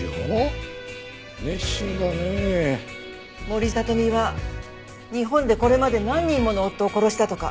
森聡美は日本でこれまで何人もの夫を殺したとか。